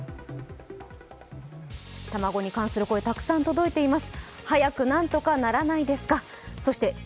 卵に関する声、たくさん届いています。